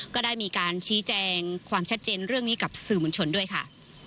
ก็ได้มีการชี้แจงความชัดเจนเรื่องนี้กับสื่อมวลชนด้วยค่ะ